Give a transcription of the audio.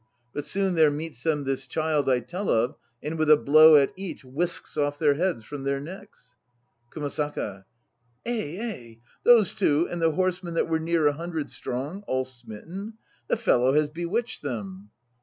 But soon there meets them this child I tell of and with a blow at each whisks off their heads from their necks. KUMASAKA. Ei! Ei! Those two, and the horsemen that were near a hundred strong, all smitten! The fellow has bewitched them!